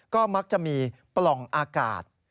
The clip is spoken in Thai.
ก็มักจะมีปล่องอากาศ